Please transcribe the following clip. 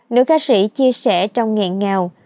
nữ ca sĩ chia sẻ trong nghẹn ngào